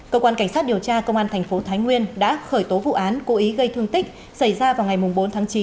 cơ quan cảnh sát điều tra công an thành phố thái nguyên đã khởi tố vụ án cố ý gây thương tích xảy ra vào ngày bốn tháng chín